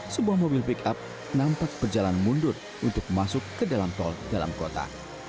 sebuah mobil pick up nampak berjalan mundur untuk masuk ke dalam tol dalam kota